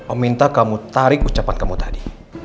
oh minta kamu tarik ucapan kamu tadi